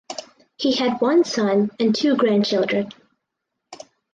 He had one son and two grandchildren.